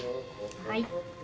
はい。